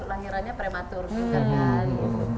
lahirannya prematur juga kan